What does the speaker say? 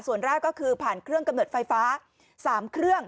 ส่วนแรกก็คือผ่านเครื่องกำเนิดไฟฟ้า๓เครื่อง